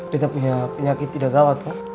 kita punya penyakit tidak gawat kok